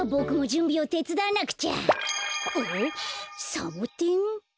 サボテン？